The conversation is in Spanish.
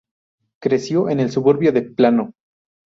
Creció en el suburbio de Plano.